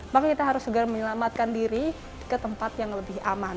maka kita harus segera menyelamatkan diri ke tempat yang lebih aman